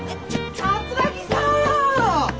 桂木さん！